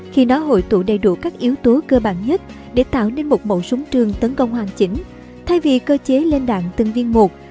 khi nó hội tụ đầy đủ các yếu tố cơ bản nhất để tạo nên một mẫu súng trường tấn công hoàn chỉnh thay vì cơ chế lên đạn từng viên một